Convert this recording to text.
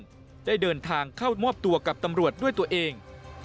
ร่วมกับชาวบ้านได้เดินทางเข้ามอบตัวกับตำรวจด้วยตัวเอง